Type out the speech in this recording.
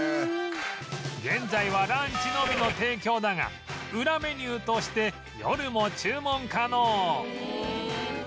現在はランチのみの提供だがウラメニューとして夜も注文可能